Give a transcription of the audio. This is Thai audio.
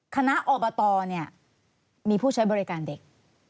คณะอบตมีผู้ใช้บริการเด็ก